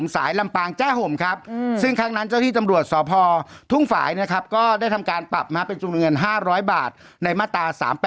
สายลำปางแจ้ห่มครับซึ่งครั้งนั้นเจ้าที่จำรวจสอบภอร์ทุ่งฝ่ายจะได้ทำการปรับมาเป็นจุดเหงื่อห้าร้อยบาทในมาตรา๓๘๘